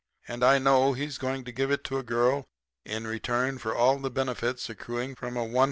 And I know he's going to give it to a girl in return for all the benefits accruing from a $125.